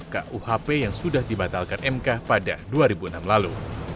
kuhp yang sudah dibatalkan mk pada dua ribu enam lalu